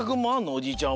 おじいちゃん